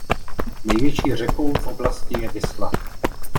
Největší řekou v oblasti je Visla.